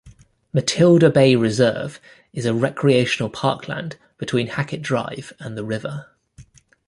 Matilda Bay Reserve is a recreational parkland between Hackett Drive and the river.